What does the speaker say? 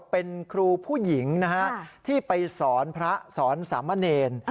เป็นครูผู้หญิงนะฮะที่ไปสอนพระสอนสามเณร